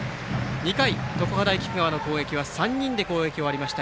２回、常葉大菊川の攻撃は３人で攻撃が終わりました。